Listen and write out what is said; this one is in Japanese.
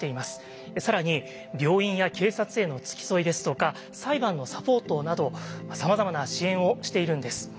更に病院や警察への付き添いですとか裁判のサポートなどさまざまな支援をしているんです。